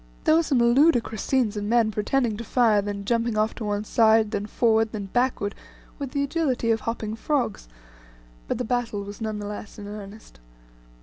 There were some ludicrous scenes of men pretending to fire, then jumping off to one side, then forward, then backward, with the agility of hopping frogs, but the battle was none the less in earnest.